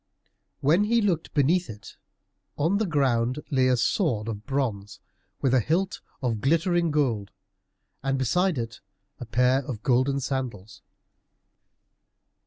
When he looked beneath it, on the ground lay a sword of bronze, with a hilt of glittering gold, and beside it a pair of golden sandals.